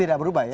tidak berubah ya